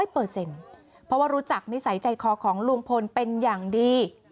เพราะว่ารู้จักนิสัยใจคอของลุงพลเป็นอย่างดี